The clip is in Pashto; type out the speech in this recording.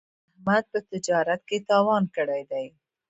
احمد په تجارت کې تاوان کړی دی.